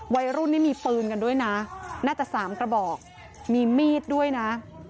วัยรุ่นนี่มีปืนกันด้วยนะน่าจะ๓กระบอกมีมีดด้วยนะ